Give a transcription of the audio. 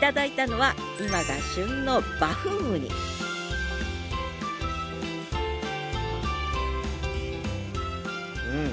頂いたのは今が旬のバフンウニうん。